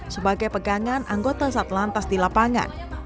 sebagai pegangan anggota sat lantas di lapangan